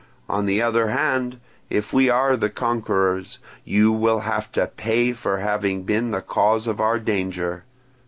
On the other hand, if we are the conquerors, you will have to pay for having been the cause of our danger.